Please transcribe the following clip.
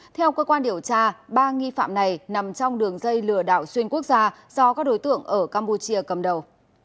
theo cơ quan điều tra ba nghi phạm này nằm trong đường dây lừa đảo xuyên quốc gia do các đối tượng ở campuchia cầm đầu